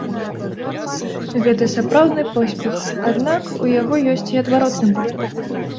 Гэта сапраўдны поспех, аднак у яго ёсць і адваротны бок.